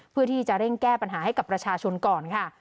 เพื่อที่จะเร่งแก้ปัญหาให้กับประชาชนก่อนค่ะ